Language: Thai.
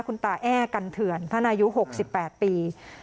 คุณตาแอ้กันเถื่อนท่านอายุหกสิบแปดปี